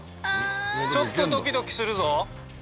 ちょっとドキドキするぞ。